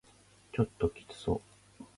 ちょっときつそう